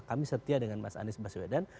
kami setia dengan mas anies baswedan